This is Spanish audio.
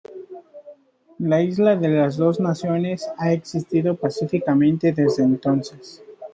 La isla de las dos naciones ha existido pacíficamente desde entonces.